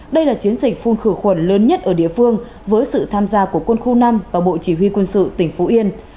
đây là chiến dịch phun khử khuẩn lớn nhất ở địa phương với sự tham gia của quân khu năm và bộ chỉ huy quân sự tỉnh phú yên